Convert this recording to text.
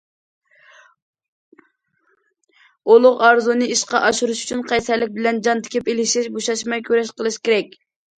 ئۇلۇغ ئارزۇنى ئىشقا ئاشۇرۇش ئۈچۈن قەيسەرلىك بىلەن جان تىكىپ ئېلىشىش، بوشاشماي كۈرەش قىلىش كېرەك.